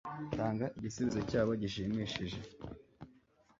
Tanga igisubizo cyabo gishimishije